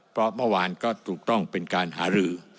เพราะเมื่อวานก็ถูกต้องเป็นการหารือ